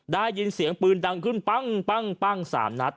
ได้ยินเสียงปืนดังขึ้นปั้ง๓นัด